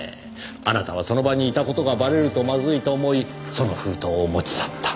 あなたはその場にいた事がバレるとまずいと思いその封筒を持ち去った。